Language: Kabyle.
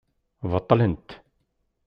Beṭlent.